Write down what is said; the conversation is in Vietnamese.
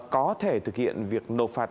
có thể thực hiện việc nộp phạt